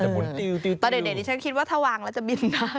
แต่ตอนเด็กดิฉันคิดว่าถ้าวางแล้วจะบินได้